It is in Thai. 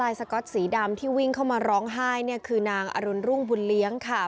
สก๊อตสีดำที่วิ่งเข้ามาร้องไห้เนี่ยคือนางอรุณรุ่งบุญเลี้ยงค่ะ